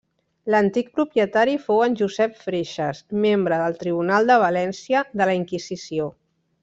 L'antic propietari fou en Josep Freixes, membre del tribunal de València de la Inquisició.